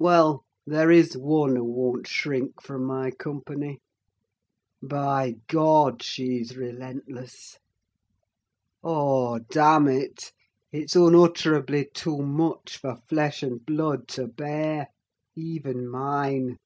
Well, there is one who won't shrink from my company! By God! she's relentless. Oh, damn it! It's unutterably too much for flesh and blood to bear—even mine."